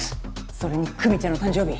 それに久実ちゃんの誕生日。